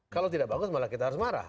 kalau tidak bagus malah kita harus marah